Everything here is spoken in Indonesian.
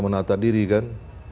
menata diri kan